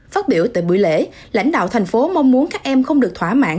phát biểu tại buổi lễ lãnh đạo thành phố mong muốn các em không được thỏa mãn